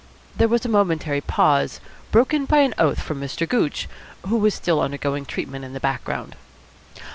There was a momentary pause, broken by an oath from Mr. Gooch, who was still undergoing treatment in the background.